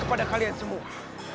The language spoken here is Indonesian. kepada kalian semua